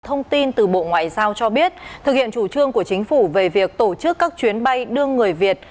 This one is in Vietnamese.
thông tin từ bộ ngoại giao cho biết thực hiện chủ trương của chính phủ về việc tổ chức các chuyến bay đưa người việt